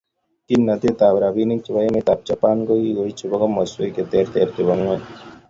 kimnatetab robinik chebo emetab Japan kogigoiy chebo komoswek che terter chebo ingweny